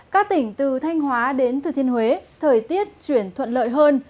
các tỉnh từ thanh hóa đến thừa thiên huế thời tiết chuyển thuận lợi hơn